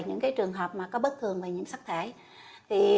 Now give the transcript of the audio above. những trường hợp có bất thường về nhiễm sắc thải